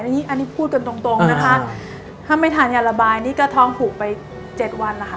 อันนี้อันนี้พูดกันตรงนะคะถ้าไม่ทานยาระบายนี่ก็ท้องผูกไป๗วันนะคะ